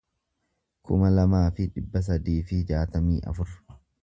kuma lamaa fi dhibba sadii fi jaatamii afur